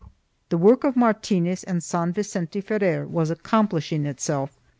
3 The work of Martinez and San Vicente Ferrer was accomplishing itself.